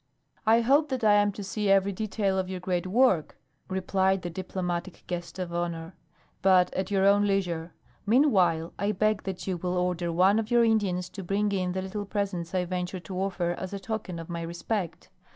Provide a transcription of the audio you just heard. "I hope that I am to see every detail of your great work," replied the diplomatic guest of honor. "But at your own leisure. Meanwhile, I beg that you will order one of your Indians to bring in the little presents I venture to offer as a token of my respect.